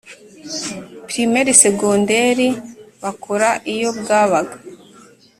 primaire, secondaire, bakora iyo bwabaga